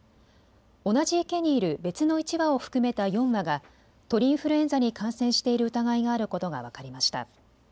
同じ池にいる別の１羽を含めた４羽が鳥インフルエンザに感染している疑いがあることが分かりました。